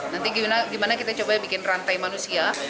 nanti gimana kita coba bikin rantai manusia